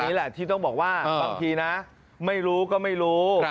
อันนี้แหละที่ต้องบอกว่าเออบางทีน่ะไม่รู้ก็ไม่รู้ครับ